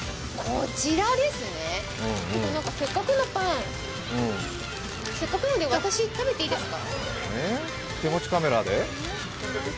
せっかくのパンせっかくなので私、食べていいですか。